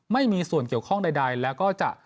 ไม่มีส่วนเกี่ยวข้องใดแล้วก็จะ